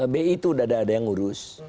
bi itu sudah ada yang ngurus